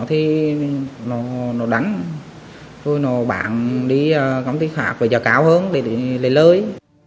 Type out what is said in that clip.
đây chỉ là một trong số hàng trăm nạn nhân đã sập bẫy của các đối tượng tội phạm mua bán người